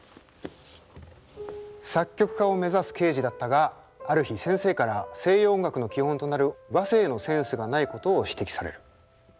作曲家を目指すケージだったがある日先生から西洋音楽の基本となる和声のセンスがないことを指摘される。